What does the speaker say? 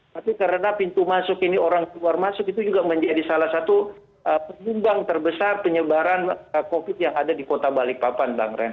tapi karena pintu masuk ini orang keluar masuk itu juga menjadi salah satu penyumbang terbesar penyebaran covid yang ada di kota balikpapan bang ren